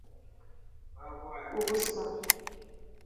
Ubusa